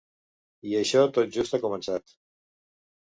I això tot just ha començat.